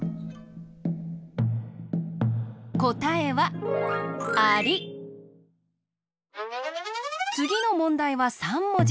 こたえはつぎのもんだいは３もじ。